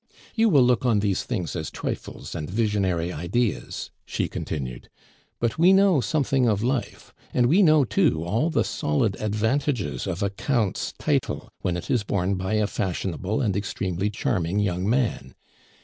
"You will look on these things as trifles and visionary ideas," she continued; "but we know something of life, and we know, too, all the solid advantages of a Count's title when it is borne by a fashionable and extremely charming young man.